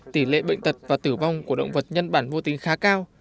tỷ lệ bệnh tật và tử vong của động vật nhân bản vô tính khá cao